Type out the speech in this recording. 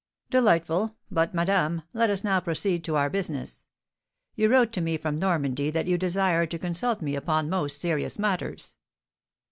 "Delightful! But, madame, let us now proceed to our business. You wrote to me from Normandy that you desired to consult me upon most serious matters."